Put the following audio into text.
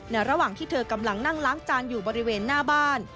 ระหว่างที่เธอกำลังนั่งล้างจานอยู่บริเวณหน้าบ้าน